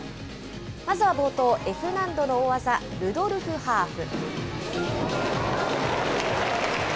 まずは冒頭、Ｆ難度の大技、ルドルフハーフ。